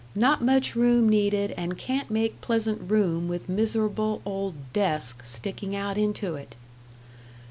Not much room needed and can't make pleasant room with miserable old 'desk' sticking out into it.